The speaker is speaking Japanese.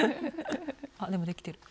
あでもできてる。